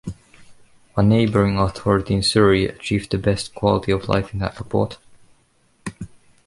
A neighbouring authority in Surrey achieved the best quality of life in that report.